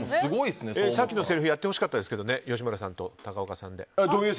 さっきのせりふやってほしかったですけどね吉村さんと高岡さんで。